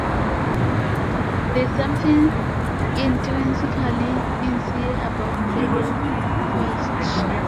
There's something intrinsically insincere about the whole quest.